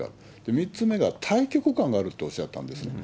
３つ目が大局観があるとおっしゃったんです。